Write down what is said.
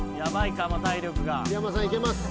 木山さんいけます。